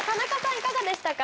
いかがでしたか？